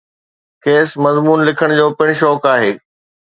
کيس مضمون لکڻ جو پڻ شوق آهي.